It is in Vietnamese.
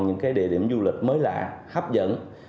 những cái địa điểm du lịch mới lạ hấp dẫn